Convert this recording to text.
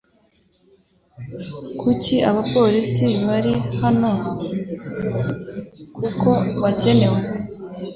Kuki abapolisi bari hano kuko bikenewe